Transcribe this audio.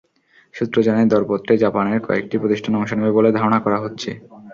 সূত্র জানায়, দরপত্রে জাপানের কয়েকটি প্রতিষ্ঠান অংশ নেবে বলে ধারণা করা হচ্ছে।